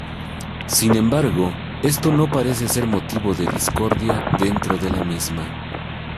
Sin embargo, esto no parece ser motivo de discordia dentro de la misma.